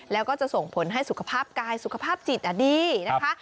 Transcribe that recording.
แล้วก็จะส่งผลให้สุขภาพกายสุขภาพจิตดีนะคะ